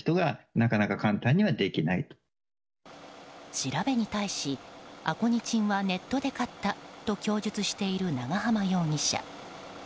調べに対しアコニチンはネットで買ったと供述している長浜容疑者。